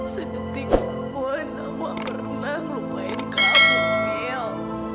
sedikit pun aku pernah lupain kamu miel